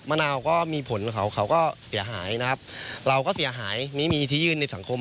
นาวก็มีผลของเขาเขาก็เสียหายนะครับเราก็เสียหายนี่มีที่ยื่นในสังคม